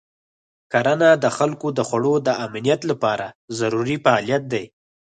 کرنه د خلکو د خوړو د امنیت لپاره ضروري فعالیت دی.